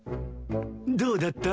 どうだった？